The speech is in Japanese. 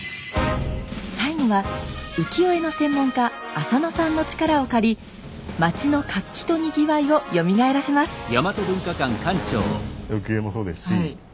最後は浮世絵の専門家浅野さんの力を借り町の活気とにぎわいをよみがえらせます。